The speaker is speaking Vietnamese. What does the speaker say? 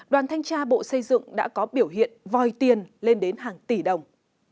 đoàn thanh tra bộ xây dựng đã có biểu hiện vòi tiền lên đến hàng tỷ đồng